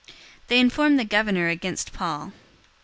They informed the governor against Paul.